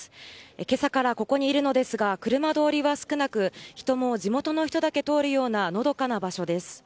今朝からここにいるのですが車通りは少なく人も地元の人だけ通るようなのどかな場所です。